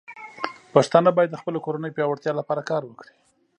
پښتانه بايد د خپلو کورنيو پياوړتیا لپاره کار وکړي.